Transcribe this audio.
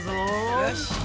よし！